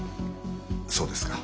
そうですか。